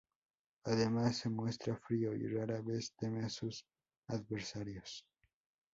Además se muestra frío y rara vez teme a sus adversarios.